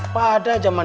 pada zaman itu